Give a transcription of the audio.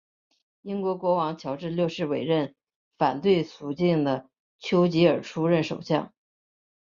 英国国王乔治六世委任反对绥靖的邱吉尔出任首相。